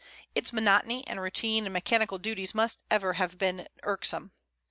Its monotony and routine and mechanical duties must ever have been irksome.